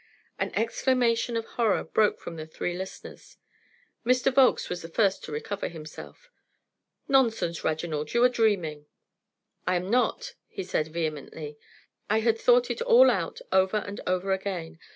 _'"] An exclamation of horror broke from the three listeners. Mr. Volkes was the first to recover himself. "Nonsense, Reginald, you are dreaming." "I am not," he said, vehemently. "I had thought it all out over and over again.